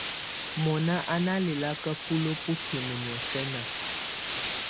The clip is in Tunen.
Mɔnà à na lɛ̀laka buluǝ́ bukimǝ niɔ̀fɛna.